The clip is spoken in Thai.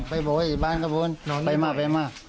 ไปบ่อยบ้านกายบ่านไปมาไปมา